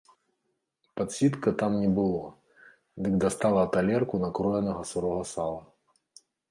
Падсітка там не было, дык дастала талерку накроенага сырога сала.